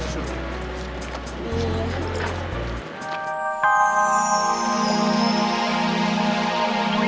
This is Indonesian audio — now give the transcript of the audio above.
sukses ya kalian semua ya